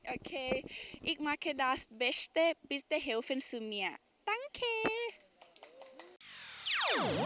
โอเคอิกมาแคดาสเบชเตะบิดเตะเฮลฟันซูเมียตั้งเค